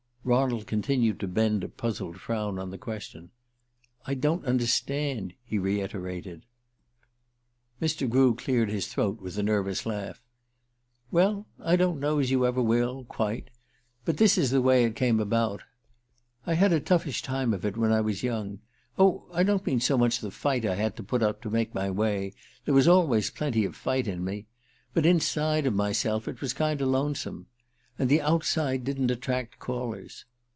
Ronald continued to bend a puzzled frown on the question. "I don't understand," he reiterated. Mr. Grew cleared his throat with a nervous laugh. "Well, I don't know as you ever will quite. But this is the way it came about. I had a toughish time of it when I was young. Oh, I don't mean so much the fight I had to put up to make my way there was always plenty of fight in me. But inside of myself it was kinder lonesome. And the outside didn't attract callers."